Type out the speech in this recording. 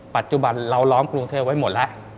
ปัจจุบันเราล้อมกรุงเทพไว้หมดแล้ว